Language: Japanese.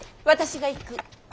私が行く。